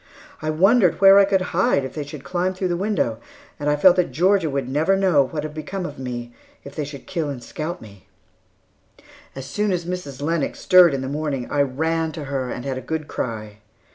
I wondered where I could hide if they should climb through the window, and I felt that Georgia would never know what had become of me, if they should kill and scalp me. As soon as Mrs. Lennox stirred in the morning, I ran to her and had a good cry.